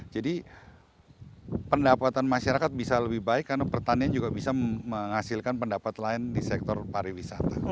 jadi pendapatan masyarakat bisa lebih baik karena pertanian juga bisa menghasilkan pendapat lain di sektor pariwisata